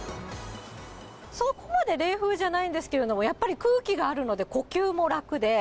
そこまで冷風じゃないんですけど、やっぱり空気があるので、呼吸も楽で。